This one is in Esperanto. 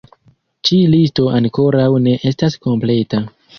Ĉi-listo ankoraŭ ne estas kompleta.